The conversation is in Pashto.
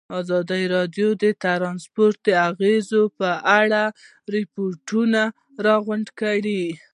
ازادي راډیو د ترانسپورټ د اغېزو په اړه ریپوټونه راغونډ کړي.